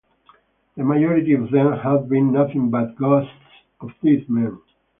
The majority of them have been nothing but ghosts of dead men.